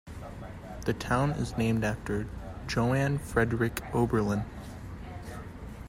The town is named after Johann Friedrich Oberlin.